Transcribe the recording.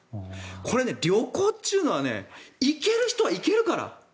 これ、旅行というのは行ける人は行けるから。